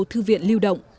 thư viện liều động